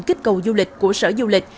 kích cầu du lịch của sở du lịch